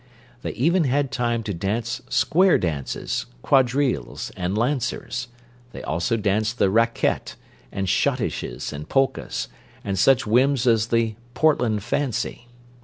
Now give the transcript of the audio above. They even had time to dance "square dances," quadrilles, and "lancers"; they also danced the "racquette," and schottisches and polkas, and such whims as the "Portland Fancy."